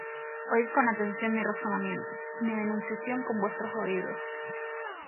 Oid con atención mi razonamiento, Y mi denunciación con vuestros oídos.